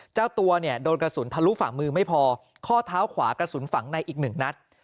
เจ้าตัวเนี่ยโดนกระสุนทะลุฝ่ามือไม่พอข้อเท้าขวากระสุนฝังในอีกหนึ่งนัด